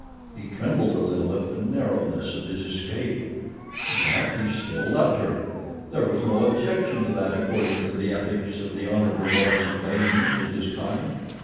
He trembled a little at the narrowness of his escape. Yet, he still loved her. There was no objection to that according to the ethics of the Hon. Morison Baynes and his kind.